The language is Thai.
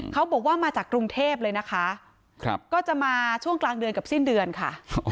เขาบอกว่ามาจากกรุงเทพเลยนะคะก็จะมาช่วงกลางเดือนกับสิ้นเดือนค่ะ